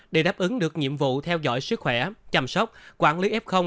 để đáp ứng được nhiệm vụ theo dõi sức khỏe chăm sóc quản lý f